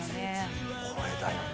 これだよね。